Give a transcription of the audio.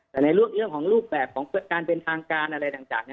แต่ในเรื่องของรูปแบบของการเป็นทางการอะไรต่าง